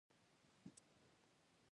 هغه له امريکايانو سره ترجمان و.